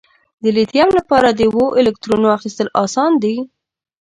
د لیتیم لپاره اووه الکترونو اخیستل آسان دي؟